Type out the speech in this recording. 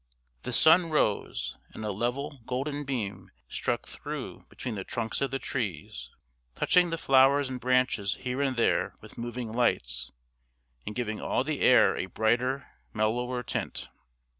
The sun rose, and a level golden beam struck through between the trunks of the trees, touching the flowers and branches here and there with moving lights, and giving all the air a brighter, mellower tint.